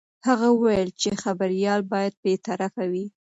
هغه وویل چې خبریال باید بې طرفه وي.